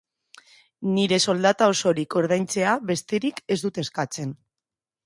Nire soldata osorik ordaintzea besterik ez dut eskatzen.